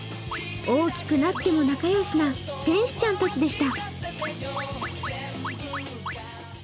大きくなっても仲良しな天使ちゃんたちでした。